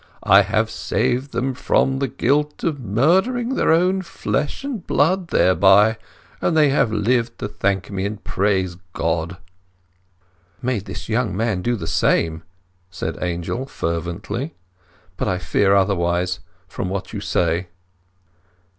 I have saved them from the guilt of murdering their own flesh and blood thereby; and they have lived to thank me, and praise God." "May this young man do the same!" said Angel fervently. "But I fear otherwise, from what you say."